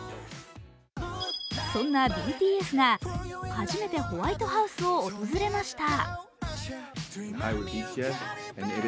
そんなＢＴＳが初めてホワイトハウスを訪れました。